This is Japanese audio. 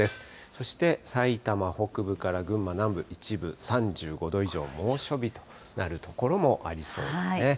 そしてさいたま北部から群馬南部、一部３５度以上、猛暑日となる所もありそうですね。